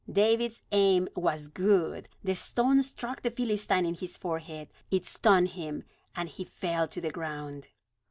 David's aim was good; the stone struck the Philistine in his forehead. It stunned him, and he fell to the ground.